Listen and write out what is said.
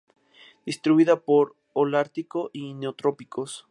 Distribuida por el Holártico y Neotrópicos.